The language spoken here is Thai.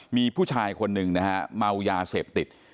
มีผู้ชายคนหนึ่งนะฮะเมายาเสพติด